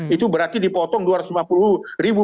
itu berarti dipotong dua ratus lima puluh ribu